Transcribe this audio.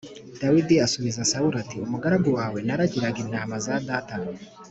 Dawidi asubiza Sawuli ati “Umugaragu wawe naragiraga intama za data